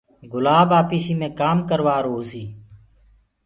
گُلآب آپيسي ڪآم ڪروآ آرو هوسي